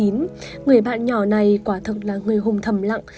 người bạn nhỏ này quả thực là người hùng thầm lặng